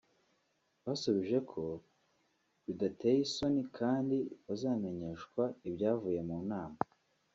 basubije ko bidateye isoni kandi bazamenyeshwa ibyavuye mu nama